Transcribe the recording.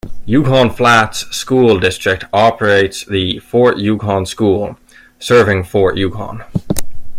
Yukon Flats School District operates the Fort Yukon School, serving Fort Yukon.